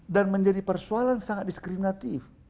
dan menjadi persoalan sangat diskriminatif